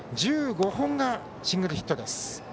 １５本がシングルヒットです。